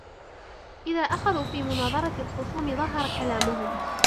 إذَا أَخَذُوا فِي مُنَاظَرَةِ الْخُصُومِ ظَهَرَ كَلَامُهُمْ